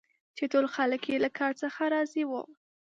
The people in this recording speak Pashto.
چي ټول خلک یې له کار څخه راضي وه.